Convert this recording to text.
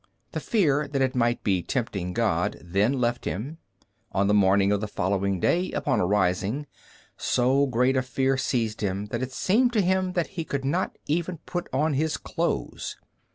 The fear that it might be tempting God then left him; on the morning of the following day, upon arising, so great a fear seized him that it seemed to him that he could not even put on his clothes.